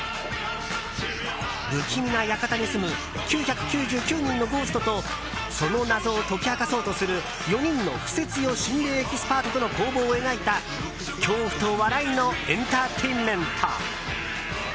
不気味な館に住む９９９人のゴーストとその謎を解き明かそうとする４人のクセツヨ心霊エキスパートとの攻防を描いた、恐怖と笑いのエンターテインメント。